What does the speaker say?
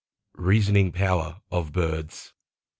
REASONING POWERS OF BIRDS.